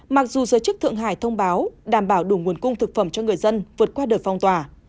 mặc dù giới chức thượng hải thông báo đảm bảo đủ nguồn cung thực phẩm cho người dân vượt qua đợt phong tỏa